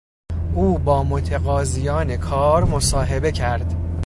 او با متقاضیان کار مصاحبه کرد.